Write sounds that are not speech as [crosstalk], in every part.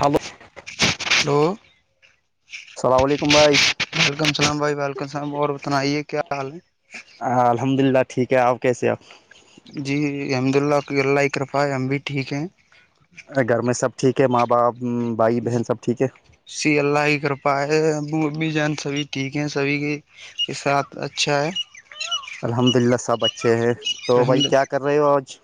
Hello [unintelligible] hello [unintelligible] السلام علیکم بھائی وعلیکم اللام بھائی ولکم اللام اور بتنائیے کیا حال ہے [unintelligible] الحمدللہ ٹھیک ہے اپ کیسے ہو? جی الحمد للہقی اللہ کر رپا ہے ہم بھی ٹھیک ہیں [unintelligible] گھر میں سب ٹھیک ہے، ماں باپ بھائی بہن سب ٹھیک ہے- اسی اللہ ہی کرپا ہے ابو اب بھی جان سبھی ٹھیک ہیں سبھی کے- کے ساتھ اچھا ہے- الحمد للہ سب اچھے ہیں تو بھائی الحمد کیا کر رہے ہو آج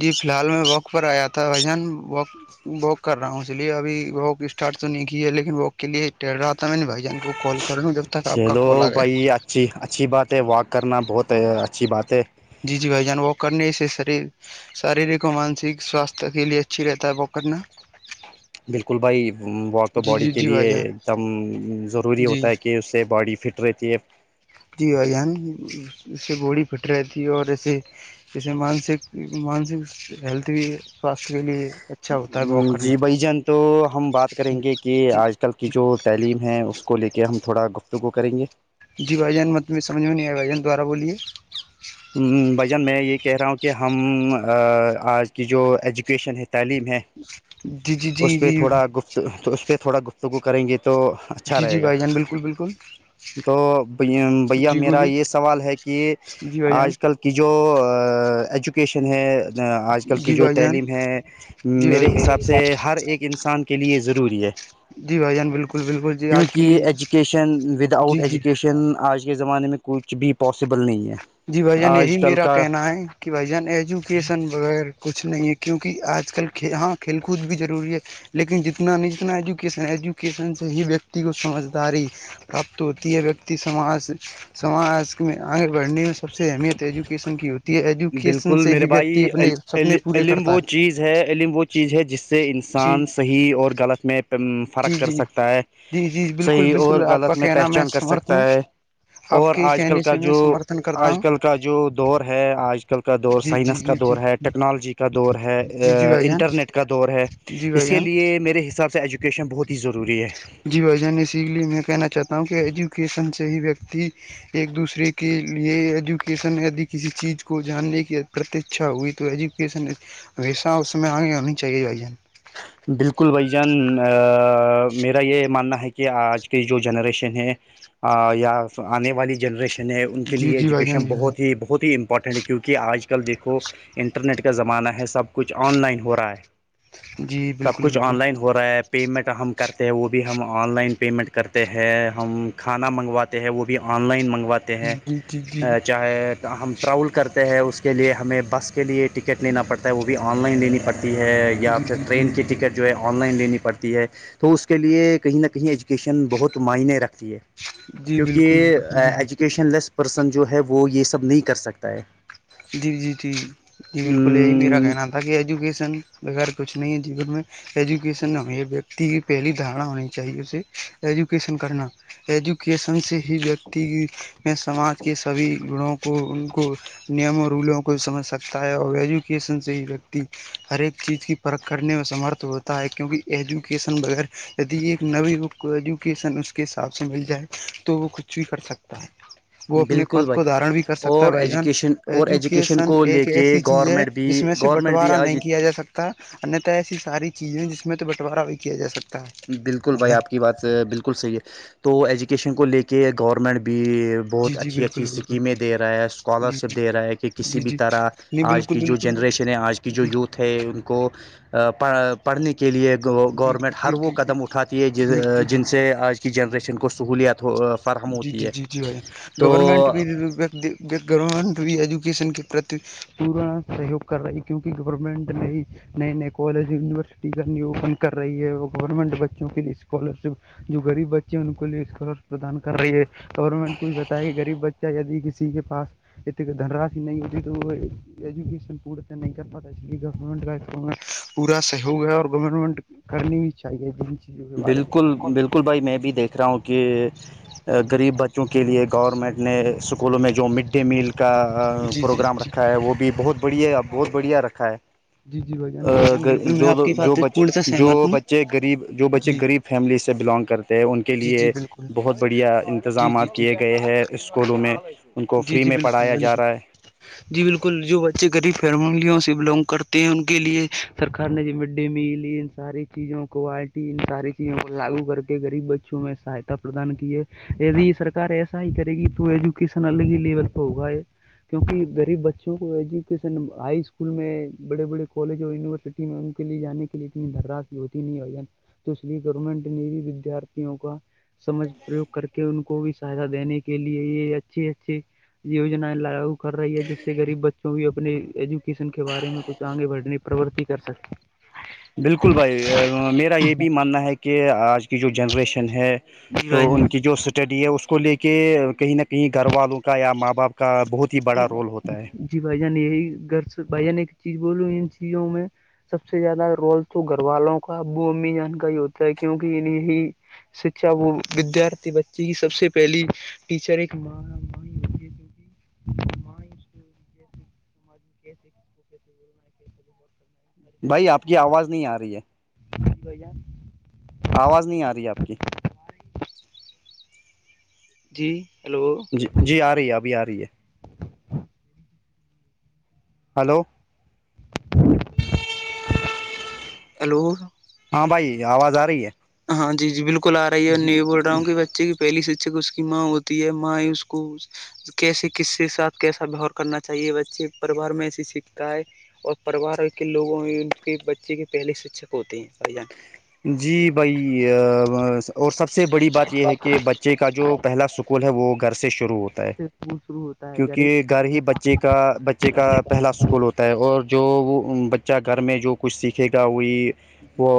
جی فی الحال میں واک پر آیا تھا بھ جان واک- واک کر رہا ہوں اس لیے ابھی واک اسٹارٹ تو نہیں کی ہے لیکن واک کے لیے ٹہر رہا تھا میں نے بھائی جان کو- کال کریں گ چلو بھائی اچھی اچھی بات ہے واک کرنا بہت اچھی بات ہے- جی- جی بھائی جان و کرنے سے سر- شاریرک اور مانسک سواستھ کے لیے اچھی رہتا ہے پکنا- بالکل بھائی, واک تو باڈی جی کے جی بھائی لیے جان ایک دم ضروری جی ہوتا ہے کہ اس سے باڈی فٹ- ٹ رتی جی اان اسے بڑی پٹ رہی تھی اور ایے- اسس سے مانسک مانسک ہیلتھ بھی سواستھ کے لیے اچھا ہوتا ہے واک کرنا جی بھائی جان تو ہم بات جی کریں گے کہ آج آ کل کی جی جو تعلیم ہے اس کو لے کے ہم تھوڑا گفتگو کریں گے جی بھائیان مت میںمھ میں نہیں آیا بھائی جان دوارا بولیے بھجن میں یہ کہہ رہا ہوں کہ ہم آج کی جو ایجوکیشن ہے تعلیم ہے جی جی اس جی پہ جی تھوڑا گفت اس پہ تھوڑا گفتگو کریں گے تو اچھا جی جی رہے گا بھائی جان بالکل بالکل تو ب بھیا جی میرا بولیے یہ سوال ہے کہ جی ب جان آ کل کی جو ایجوکیشن ہے آج کل کی جی جو بھائی جان تعلیم ہے جی میرے حساب بھائی سے ہر ایک انسان کے لیے ضروری ہے جی بھائی جان بالکل بالکل جی آج کل کیونکہ ایجوکیشن ود آؤٹ جی جی ایجوکیشن آج کے زمانے میں کچھ بھی پاسیبل نہیں ہے جی بھائی جان یہی آج کل میرا کا کہنا ہے کہ بھائی جان ایجوکیسن بغیر کچھ نہیں ہے کیونکہ آج کل ہاں کھیل کود بھی ضروری ہے لیکن جتنا نہیں جتنا ایجوکیشن ایجوکیشن سے ہی ویکتی کو سمجھداری پراپت ہوتی ہے ویکتی سماج میں آگے بڑھنے میں سب سے اہمیت ایجوکیشن کی ہوتی ہے ایجوکیشن بالکل سے میرے ہی ویکتی بھائی اپنے سپنے پورے علم کرتا وہ ہے چیز ہے علم وہ چیز ہے جس سے جی انسانحیح غ جی فرق کر جی سکتا ہے جی جی بالکل صحیح بالکل اور آپ کا غلط میں کہنا پہچان کر سمرتھ سکتا ہوں ہے آپ اور کے آج کل کہنے کا سے میں جو سمرتھن کرتا آج ہوں کل کا جو دور ہے آج آج کل کا دور جی جی سائنس کا جی دور ہے جی ٹیکنالوجی کا دور ہے جی جی بھائی جان انٹرنیٹ کا دور ہے جی اس بھائی کے جان لیے میرے حساب سے ایجوکیشن بہت ہی ضروری ہے جی بھ جان اسی لیے میں کہنا چاہتا ہوں کہ ایجوکیشن سے ہی ویکتی ایک دوسرے کے لیے ایجوکیشن دی کسی چیز کو جاننے کی پرتیچھا ہوئی تو ایجوکیشن ویسہ اس میں آگے آنی چاہیے بالکل بھائی جان میرا یہ ماننا ہے کہ کہ آج کی جو جنریشن ہے یا آنے والی جنریشن ہیں ان کے جی لیے جی بھائی جان ایجوکیشن جی بھائی بہت جان ہی بہت ہی ا امپورٹنٹ کیونکہ آج کل دیکھو انٹرنیٹ کا زمانہ ہے سب کچھ آن لائن ہو رہا ہے جی سب بالکل کچھ بالکل آن لائن ہو ہو رہا ہے پیمنٹ ہم کرتے ہیں وہ بھی ہم آن لائن پیمنٹ کرتے ہیں ہم کھانا منگواتے ہیں وہ بھی آن لائن منگواتے ہیں جی جی جی چاہ ہم ٹریاول کرتے ہیں اس کے لیے ہمیں بس کے لیے ٹکٹ لینا پڑتا ہے وہ بھی آن لائن لینی پڑتی ہے ہے یا جی پھر جی ٹرین جی کی جی ٹکٹ جو ہے آن لائن لینی پڑتی ہے تو اس کے لیے کہیں نہ کہیں ایج ایجوکیشن بہت معنی رکھتی ہے جی بالکل کیونکہ بالکل ایجوکیشن لیس پرسن جو ہے وہ یہ سب نہیں کر سکتا ہے جی جی جی جی بالکل یہ میرا کہنا تھا تاکہ ایجوکیشن وغیرہ کچھ نہیں ہے جی گون میں ایجوکیشن نہ ہو یہ ویکتی کی پہلی دھارنا ہونی چاہیے اسے ایجوکیشن کرنا ایجوکیشن سے ہی ویکتی میں سماج کے سبھی گڑوں کو ان کو نیم و رولوں کو سمجھ سکتا ہے اور ایجوکیشن سے ہی ویکتی ہر ایک چیز کی پرکھ کرنے میں سمرتھ ہوتا ہے کیونک ایجوکیشن بغیر یدی ایک نو ایجوکیشن اس کے حساب سے مل جائے تو وہ کچھ بھی کر سکتا ہے وہ اپنے بالکل پد بھائی کو دھارن بھی کر سکتا ہے اور بھائی جان ایجوکیشن اور ایجوکیشن کو لے ایک کے ایسی چیز ہے گورنمنٹ بھی جس میں سے گورنمنٹ بھی بٹوارا آج نہیں کیا جا سکتا انیہتا ایسی ساری چیزیں جس میں تو بٹوارہ بھی کیا جا سکتا بالکل بھائی ہے آپ کی بات بالکل صحیح ہے تو ایجوکیشن کو لے کے گورنمنٹ بھی جی بہت جی اچھی اچھی بالکل بالکل اسکیمیں دے رہا ہے جی اسکالرشپ دے جی رہا ہے کہ کسی جی بھی جی طرح نہیں آج بالکل کی جو بالکل جنریشن ہے آج کی جو جی یوتھ ہے ان کو پڑھنے کی کے لیے جی گورنمنٹ جی جی ہر وہ جی قدم اٹھاتی ہے جی جی جی جن سے آج کی جنریشن کو سہولیات ہو جی جی جی جی بھائی گورنمنٹ بھی بیک گراؤنڈ بھی ایجوکیشن کے پرتی پورا سہیوگ کر رہی ہے کیونکہ گورمنٹ نے نئے نئے کالج یونیورسٹینی اوپن کر رہی ہے اور گورنمنٹ بچوں کے لیے اسکالر شپ جو ریب بچے ہیں ان کو لیے اسکالر پردان کر رہی ہے گورنمنٹ کو یہ بتایا کہ غریب بچے د کسی کے پاس اتنی دھنرش نہیں ہوتی تو وہ ایجوکیشن پورت نہیں کر پاتا اس لیے گورنمنٹ کا میں پورا سہیوگ ہے اور گورنمنٹ کرنے بھی جائگہ بھیہن بالکل بالکل بھائی میں بھی دیکھ رہا ہوں کہ غریب بچوں کے لیے گورنمنٹ نے اسکولوں میں جو مڈ ڈے میل کا جی جی پروگرام جی رکھا ہے وہ بھی بہت بڑھیا بہت بڑھیا رکھا ہے جی جی بھائی جان بھائی جان ا بالکل میں جو آپ کی جو بات پورن سے جو سہمت ہوں بچے غریب جو بچے جو جی غریب فیملی سے بلانگ کرتے ہیں ان کے جی جی لیے بالکل بہت بڑھیا جی جی انتظامات جی کیے گئے ہیں اسکولوں میں ان کو جی فری جی میں بالکل پڑھایا جا بالکل رہا ہے [inaudible] جی بالکل جو بچے غریب فیملیوں سے بلونگ کرتے ہیں ان کے لیے سرکار نے ج مڈ ڈے میل ساری چیزوں کوالٹی ان ساری چیزوں کو لاگو کر کے غریب بچوں میں سہایتا پردان کیے ی سرک ایسا ہی کرے گی تو ایجوکشن الگ ہی لیول پ ہوگا یہ کیوںکہ غریب بچوں کو ایجوکیشن ہائی اسکول میں بڑے بڑے کالج اور یونیورسٹی ان کے لیے جانے کے لیے اتنی دھرراش بھی ہوتی نہیں ا تو اس لیے گورنمنٹ نے بھی ودارتھیوں کا سمج پریوگ کر کے ان کو بھی سہایتا دینے کے لیے یہ اچھے اچھے یجنایں لاگو کر رہی ہے جس سے غریب بچوں بھی اپنے ایجوکیشن کے بارے میں کچھ تو آگے بڑھنی پروورتی کر سکتے ہیں بالکل بھائی میرا یہ بھی ماننا ہے کہ آج کی جو جنریشن ہے جی تو ان کی بھائی جو س اسٹڈی ہے اس کو لے کے کہیں نہ کہیں گھر والوں کا یا ماں باپ کا بہت ہی بڑا رول ہوتا ہے جی بھائی جان یہی گھر بھائی جان ایک چیز بولو ان چیزوں میں سب سے زیادہ رول تو گھر والوں کا ابو امی جان کا ہی ہوتا ہے کیوںکہ انیں ہی شکھا وہ ودارتھی بچی کی سب سے پہلی ٹیچر ایک ماں م ہوتی کیونکہ ماں ہی اس کو جیسے [inaudible] ہے کیسے بہت کرنا ہے بھائی آپ کی آواز نہیں آ رہی ہے ب جان آواز نہیں آ رہی آپ کی جی ہیلو جی جی آ رہی ہے ابھی آ رہی ہے ہلو ہیلو ہاں بھائی آواز آ رہی ہے ہاں جی جی بالکل آ رہی ہے میں یہ بول رہا ہوں بچے کی پہلی شکچک اس کی ماں ہوتی ہے ماں ہی اس کو کیسے کس کے ساتھ کیسا بہار کرنا چاہیے بچے پرریوار میں ایسے سیکھتا ہے اور پریوار کے لوگوں ان کے بچے کے پہلے شکچشک ہوتے ہیں بھائی جان جی بھائی اور سب سے بڑی بات یہ ہے کہ بچے کے کا جو پہلا سکول ہے وہ گھر سے شوع شروع ہوتا ہے سے اسکول شروع ہوتا ہے کیونکہ گھر ہی بچے کا بچے کا پہلا سو اسکول ہوتا ہے اور جو وہ بچہ گھر میں جو کچھ سیکھے گا وہی وہ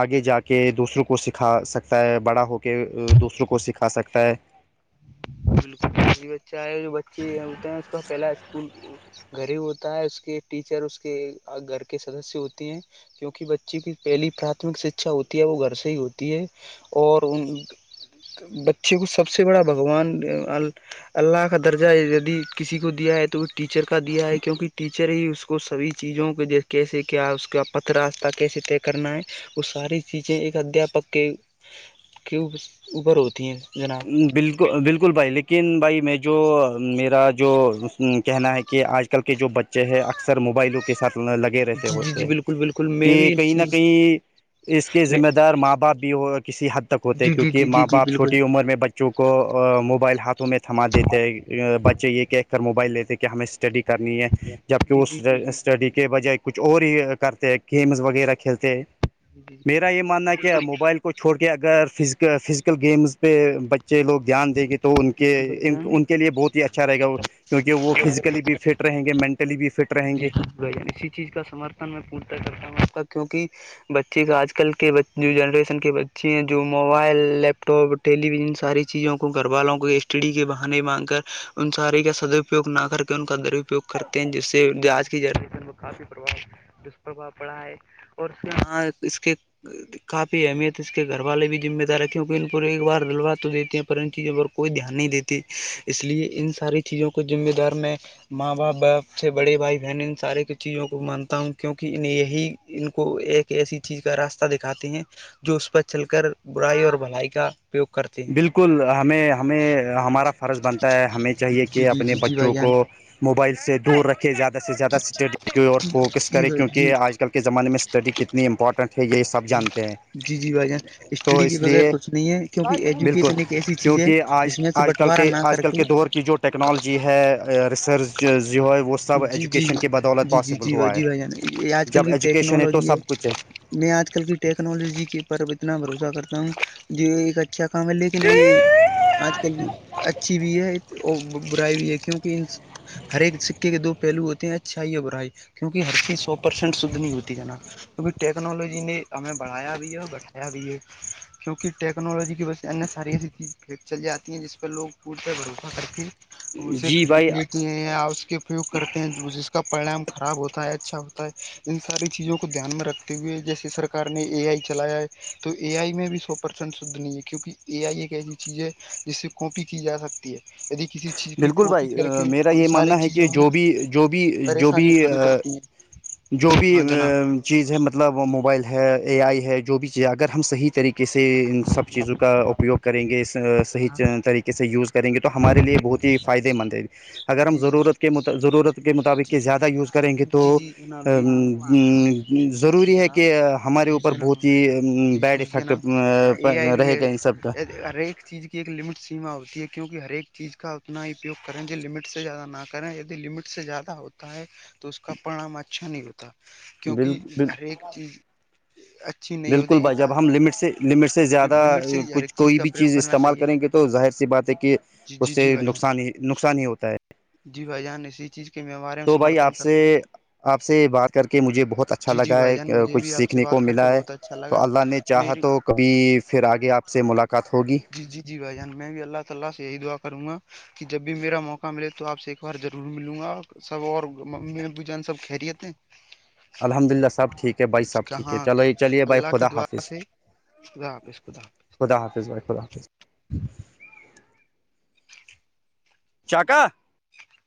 آگے جا کے دوسروں کو سکھا سکتا ہے بڑا ہو کے دوسروں کو سکھا سکتا ہے بالکلی بچہ ہے جو بچے ہوتے ہیں اس کا پہلا اسکول گھری ہوتا ہے اس کے ٹیچر اس کے گھر کے سدسیہ ہوتی ہیں کیوںکہ بچے کی پہلی پراتمک شکچھا ہوتی ہے وہ گھر سے ہی ہوتی ہے اور ان بچے کو سب سے بڑا بھگوان اللہ کا درجہ دی کسی کو دیا ہے تو وہ ٹیچر کا دیا ہے کیونکہ ٹیچر پچر ہی اس کو سبھی چیزوں کے کیسے کیا ہے اس کا پت راستہ کیسے طے کرنا ہے وہ ساری چیزیں ایک ادھپک کے کے اوپر ہوتی ہیں جنا بالکل بالکل بھائی لیکن بھائی میں جو میرا جو کہنا ہے کہ آج کل کے جو بچے ہیں اکثر موبائلوں کے ساتھ لگے رہتے جی جی ہوتے جی ہیں بالکل بالکل میں کہ بھی کہیں نہ کہیں اس کے میں ذمہ دار ماں باپ بھی ہو کسی حد ک ہوتے ہیں جی جی کیونکہ جی جی ماں جی باپ بالکل چھوٹی عمر میں بچوں کو موبائل ہاتھوں میں تھما دیتے ہیں بچے یہ کہ موبائل لیتے کہ ہمیں اسٹڈی کرنی ہے جبکہ جی جی اس جی جی جی اسٹڈی جی کے بجایے کچھ اور ہی کرتے ہیں گیمز وغیرہ کھیلتے ہیں جی جی میرا یہ ماننا ہے کہ موبائل کو چھوڑ کے اگر فز فزیکل گیمز پہ بچے لوگ دھیان دیں گے تو تو ان جی کے جی بڑھیا ان کے لیے بہت ہی اچھا رہے گا کیونکہ وہ فزیکلی بھی فٹ رہیں گے مینٹلی بھی فٹ رہیں جی گے جی بھ اسی چیز کا سمرتھن میں پورتا کرتا ہوں آپ کا کیوںکہ بچے کا آج کل کے جنریشن کے بچے ہیں جو mobile laptop television ساری چیزوں کو گھر والوں کو ایسٹ ڈی کے بہانے مانگ کر ان سارے کا سدو گ نہ کر کے ان کا درپیگ کرتے ہیں جس سے آج کی جنریشن میں کافی پربؤ دشپربھا پڑا ہے اور اس وہاں اس کے کافی اہمیت اس کے گھر والے بھی ذمہ دار ہیں کیونکہ ان ایک بار دلوات تو دیتے ہیں پر ان چیزوں پر کوئی دھیان نہیں دیتی اس لیے ان ساری چیزوں کو ذمہ دار میں ماں باپ باپ ا سے بڑے بھائی بہن ان سارے کی چیزوں کو مانتا ہوں کیوںکہ یہی ان کو ایک ایسی چیز کا راستہ دکھاتے ہیں جو اس پر چل کر برائی اور بھلائی کا اپیوگ کرتے ہیں بالکل ہمیں ہمیں ہمارا فرض بنتا ہے ہمیں چاہیے جی کہ جی اپنے جی جی بچوں بھائی کو جان موبائل سے دور رکھے زیادہ سے زیادہ اسٹڈی کو اور فوکس جی کرے بھائی جی کیونکہ آج کل زمانے میں اسٹڈی کتنی امپورٹنٹ ہے یہ سب جانتے ہیں جی جی بھائی جان تو اسٹڈی کے اس بغیر لیے کچھ نہیں ہے کیونکہ بالکل ایجوکیشن ایک ایسی چیز ہے کیونکہج جس میں سے آج کل بٹوارا کے نہ آج کر کل کے دور کی جو ٹیکنالوجی ہے ریسرچ ی ہے وہ سب جی جی ایجوکیشن جی کی بدولت جی جی پاسبل جی ہوا ہے بھائی جان یہ آج کل جب کی ایجوکیشن ہے تو ٹیکنالوجی سب کچ ہے میں آج کل کی ٹیکنالوجی کے پر اتنا بھروسہ کرتا ہوں جو ایک اچھا کام ہے لیکن یہ آج کل اچھی بھی ہے اور برائی بھی ہے کیوں کیوکہ [inaudible] ہر ایک سکے کے دو پہلو ہوتے ہیں اچھائی یا برھائی کیونک ہر چیز سو پرسینٹ شدھ نہیں ہوتی ہے نا کیکہ ٹیکنالوجی نے ہمیں بڑھایا بھی ہے اور بٹھایا بھی ہے کیونکہ ٹیکنالوجی کی وجہ سے ان ساری ایسی چیزیں پھییک چل جاتی ہیں جس پہ لوگ پورتے بھروسہ کر کے اسے جی بھائی خرید لی اس کے اپیوگ کرتے ہیں جس کا پریام خراب ہوتا ہے اچھا ہوتا ہے ان ساری چیزوں کو دھیان میں رکھتے ہوئے جیسے سرکار نے اے آئی چلایا ہے تو اے آئی میں بھی سو پرسنٹ شدھ نہیں ہے کیونکہ اے آئی ایک ایسی چیز ہے جس سے کاپی کی جا سکتی ہے یدی کسی چیز کی بالکل کاپی بھائی کر کے میرا ان یہ ساری ماننا ہے کہ چیزوں میں جو بھی جو بھی جو بھی پریشانی [unintelligible] جو بھی ہاں جناب چیز ہے مطلب موبائل ہے اے آئی ہے جو بھی چیز اگر ہم صحیح طریقے کسی سب چیزوں کا اپیوگ کریں گے صحیح طریقے سے یوز کریں گے تو ہمارے لیے بہت ہی فائدے مند ہے اگر ہم جی ضرورت جناب کے ضرورت کے مطابق یہ زیادہ یوز کریں گے تو جی جی جناب جی جناب جی جناب جی ضروری ہے جناب کہ ہمارے جی اوپر جناب بہت ہی جی بیڈ جی افیکٹ جناب ہاں اے آئی بھی رہے ہے گا ان سب کا ہر ایک چیز کی ایک لمٹ سیما ہوتی ہے کیونکہ ہر ایک چیز کا انا ہی اپیوگ کریں جے لمٹ سے زیادہ نہ سرا یہی لمیٹ سے زیادہ ہوتا ہے تو اس کا پرام اچھا نہیں ہوتا کیونکہ بالکل ہر ایک چیز [unintelligible] بالکل ہوتی بھائی جب ہم لٹ سے لٹ سے سے زیادہ لمٹ سے ہر ایک کچھ کوئی کا بھی پریوگ چیز کرنا استعمال چاہیے کریں گے تو ظاہر سی بات ہے کہ جی اس جی سے جی بھائی جان نقصان ہی نقصان ہی ہوتا ہے جی بھائی جان اسی چیز کے مع بارے میں تو بھائی سمرتھن آپ سے کرتا ہوں آپ سے بات کر کے مجھے بہت اچھا جی اچھا جی لگا بھائی ہے جان مجھے کچھ بھی آپ سے سیکھنے کو بات کر کے ملا ہے بہت اچھا تو لگا اللہ نے چاہا میری تو کبھی پھر آگے آپ سے ملاقات کاتھ ہوگی جی جی جی بھائی جان میں بھی اللہ تعالا سے یہی دعا کروں گا کہ جب بھی میرا موقع ملے تو آپ سے ایک بار ضرور ملوں گا سب اور ممیبو جان سب خھیریتے ہیں الحمد للہ سب ٹھیک ہے بھائی سب ٹھیک ہے کہاں تو چلو چلیے بھائی اللہ کی خدا دعا سے خدا حاپس خدا خد حافظ بائے خداظ [unintelligible] چکر ا